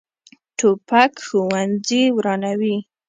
توپک ښوونځي ورانوي.